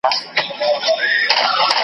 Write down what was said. ما دي دغه ورځ په دوو سترګو لیدله .